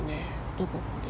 どこかで。